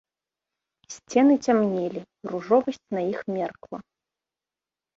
Сцены цямнелі, ружовасць на іх меркла.